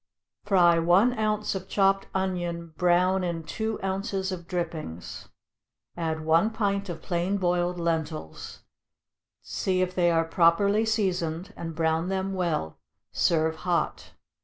= Fry one ounce of chopped onion brown in two ounces of drippings, add one pint of plain boiled lentils, see if they are properly seasoned, and brown them well; serve hot.